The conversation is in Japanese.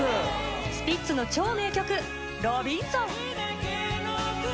⁉スピッツの超名曲『ロビンソン』。